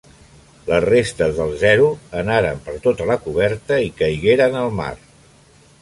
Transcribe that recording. Les restes del Zero anaren per tota la coberta i caigueren al mar.